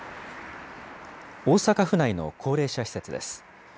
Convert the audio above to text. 大阪府内の高齢者施設です。